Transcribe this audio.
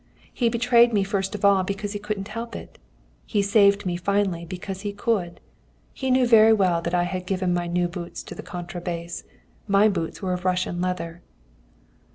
He betrayed me first of all because he couldn't help it; he saved me finally because he could. He knew very well that I had given my new boots to the contra bass. My boots were of Russian leather.